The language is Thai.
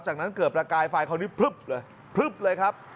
จากนั้นเกิดประกายไฟเขานี้พลึบเลยครับ